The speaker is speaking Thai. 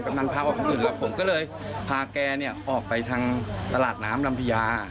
ก็นั่นพาออกไปอื่นแล้วผมก็เลยพาแกออกไปทางตลาดน้ำรัมพิยา